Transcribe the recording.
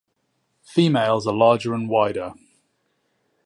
Females are larger and wider.